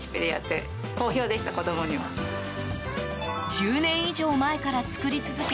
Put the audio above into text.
１０年以上前から作り続け